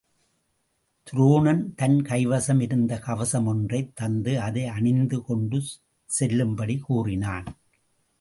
துரோணன் தன் கைவசம் இருந்த கவசம் ஒன்றைத் தந்து அதை அணிந்து கொண்டு செல்லும்படி கூறினான்.